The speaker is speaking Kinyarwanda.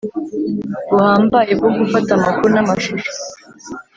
buhambaye bwo gufata amakuru n’amashusho